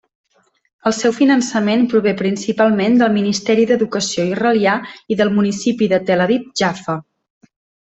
El seu finançament prové principalment del Ministeri d'Educació israelià i del municipi de Tel Aviv-Jaffa.